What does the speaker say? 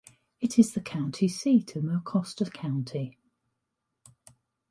It is the county seat of Mecosta County.